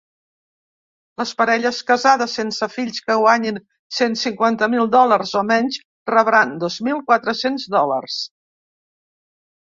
Les parelles casades sense fills que guanyin cent cinquanta mil dòlars o menys rebran dos mil quatre-cents dòlars.